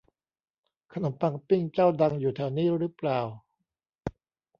ขนมปังปิ้งเจ้าดังอยู่แถวนี้รึเปล่า